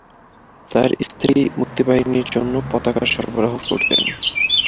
তাঁর স্ত্রী মুক্তিবাহিনীর জন্য পতাকা সরবরাহ করতেন।